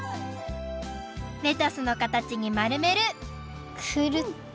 レタスのかたちにまるめるクルッと。